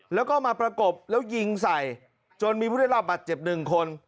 แล้วก็มาประกบแล้วยิงใส่จนมีผู้ได้รับบัตรเจ็บหนึ่งคน